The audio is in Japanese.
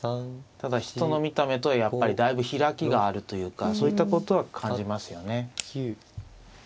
ただ人の見た目とはやっぱりだいぶ開きがあるというかそういったことは感じますよね。